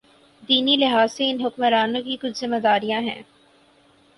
دینی لحاظ سے ان حکمرانوں کی کچھ ذمہ داریاں ہیں۔